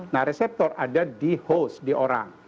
nah reseptor ada di host di orang